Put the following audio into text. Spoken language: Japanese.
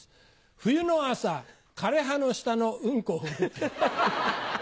「冬の朝枯れ葉の下のうんこ踏む」って。